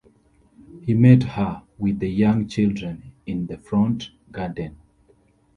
He met her with the young children in the front garden.